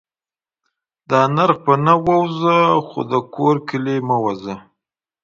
دا نرخ په نه. ووځه خو دا کور کلي مه ووځه